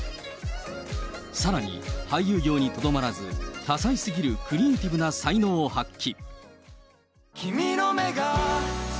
さらに俳優業にとどまらず、多才過ぎるクリエーティブな才能を発揮。